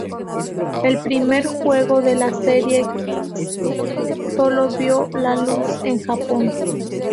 El primer juego de la serie, King's Field, solo vio la luz en Japón.